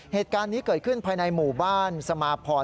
เหตุการณ์นี้เกิดขึ้นภายในหมู่บ้านสมาพร